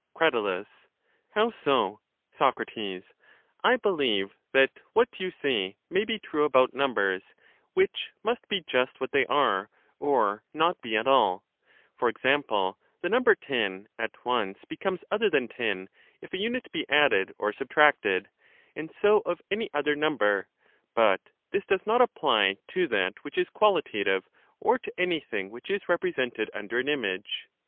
Crat. How so? Soc. I believe that what you say may be true about numbers, which must be just what they are, or not be at all ; for example, the number ten at once becomes other than ten if a unit be added or subtracted, and so of any other number : but this does not apply to that which is quaUtative or to anything which is represented under an image.